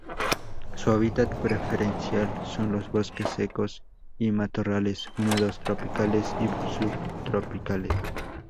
Su hábitat preferencial son los bosques secos y matorrales húmedos tropicales y subtropicales.